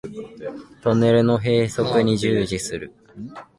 トンネルの開削に従事する